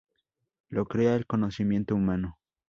lo crea el conocimiento humano